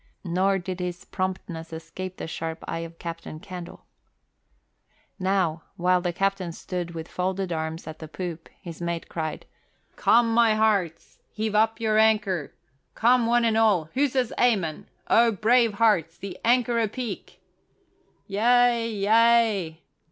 Nor did his promptness escape the sharp eye of Captain Candle. Now, while the captain stood with folded arms at the poop, his mate cried, "Come, my hearts, heave up your anchor! Come one and all! Who says Amen? O brave hearts, the anchor a peak!" "Yea, yea!"